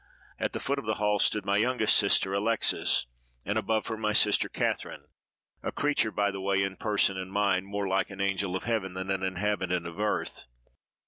At the foot of the hall stood my youngest sister Alexes, and above her my sister Catherine—a creature, by the way, in person and mind, more like an angel of heaven than an inhabitant of earth.